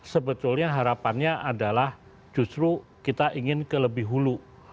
sebetulnya harapannya adalah justru kita ingin kelebih hulu